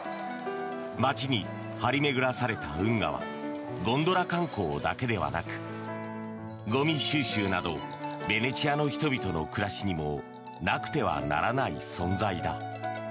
街に張り巡らされた運河はゴンドラ観光だけではなくゴミ収集などベネチアの人々の暮らしにもなくてはならない存在だ。